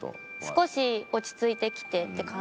少し落ち着いてきてって感じです。